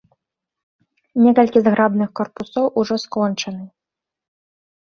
Некалькі зграбных карпусоў ужо скончаны.